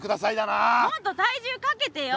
もっと体重かけてよ！